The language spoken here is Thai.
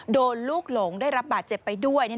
โดนลูกหลงได้รับบาดเจ็บไปด้วย